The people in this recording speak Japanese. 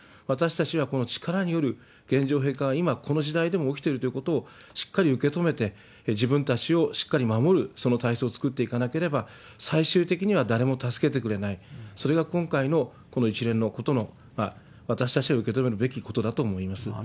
私たちはこの力による現状変更が今この時代でも起きてるということをしっかり受け止めて、自分たちをしっかり守る、その体制を作っていかなければ、最終的には誰も助けてくれない、それが今回のこの一連のことの、私たちが受け止めるべきことだと思います。